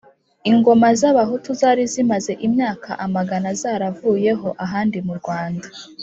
ingoma z' abahutu zari zimaze imyaka amagana zaravuyeho ahandi mu rwanda,